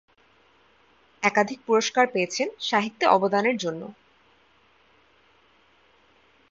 একাধিক পুরস্কার পেয়েছেন সাহিত্যে অবদানের জন্য।